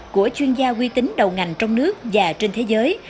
của chuyên gia quy tính đầu ngành trong nước và trên thế giới